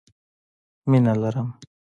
مينه لرم